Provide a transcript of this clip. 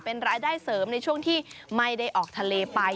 เป็นรายได้เสริมในช่วงที่ไม่ได้ออกทะเลไป